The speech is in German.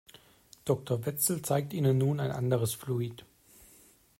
Doktor Wetzel zeigt Ihnen nun ein anderes Fluid.